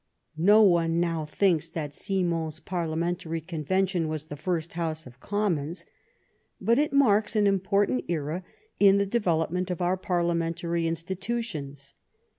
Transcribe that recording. No one now thinks that Simon's parliamentary convention was the first House of Commons, but it marks an important era in the development of our parliamentary institu tions.